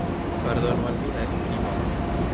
Pardonu al mi la esprimon.